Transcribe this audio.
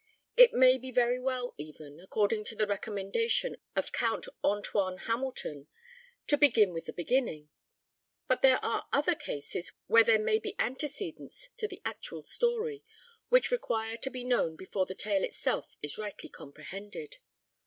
It may be very well even, according to the recommendation of Count Antoine Hamilton, to 'begin with the beginning.' But there are other cases where there may be antecedents to the actual story, which require to be known before the tale itself is rightly comprehended.